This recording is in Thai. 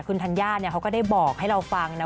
คุณธัญญาเขาก็ได้บอกให้เราฟังนะ